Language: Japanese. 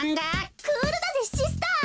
クールだぜシスター！